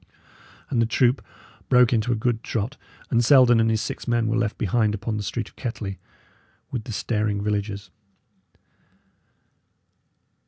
And the troop broke into a good trot, and Selden and his six men were left behind upon the street of Kettley, with the staring villagers.